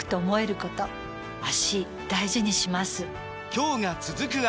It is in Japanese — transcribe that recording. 今日が、続く脚。